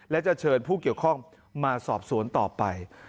และจะเชิญผู้เกี่ยวข้องมาสอบสวนต่อไป